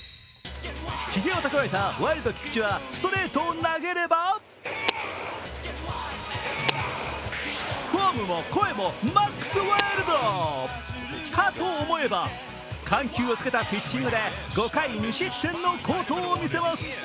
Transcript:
ひげをたくわえたワイルド菊池はストレートを投げればフォームも声も、マックスワイルドかと思えば緩急をつけたピッチングで５回２失点の好投を見せます。